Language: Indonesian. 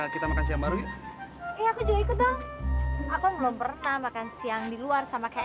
kita makan siang baru ya aku juga ikut dong aku belum pernah makan siang di luar sama kayak